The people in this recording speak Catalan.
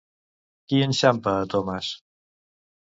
Qui enxampa a Thomas?